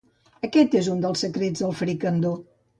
Aquest és un dels secrets del fricandó.